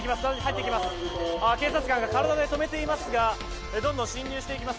警察官が体で止めていますがどんどん侵入していきます。